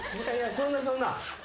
そんなそんな。